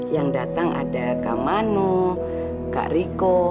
yang datang ada kak mano kak riko